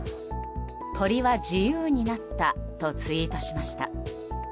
鳥は自由になったとツイートしました。